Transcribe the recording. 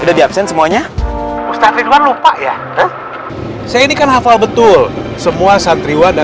udah diabsen semuanya ustadz ridwan lupa ya saya ini kan hafal betul semua santriwa dan